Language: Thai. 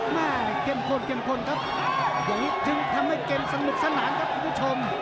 แม่เกมพลเกมพลครับอย่างนี้ถึงทำให้เกมสนุกสนานครับคุณผู้ชม